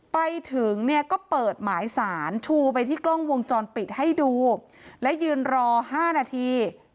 ไปถึงเนี่ยก็เปิดหมายสารชูไปที่กล้องวงจรปิดให้ดูและยืนรอ๕นาที